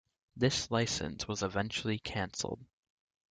This license was eventually canceled.